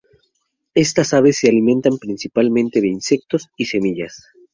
Estas aves se alimentan principalmente de insectos y semillas.